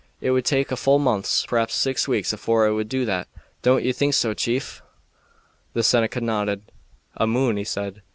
It would take a full month, p'r'aps six weeks, afore it would do that. Don't you think so, chief?" The Seneca nodded. "A moon," he said.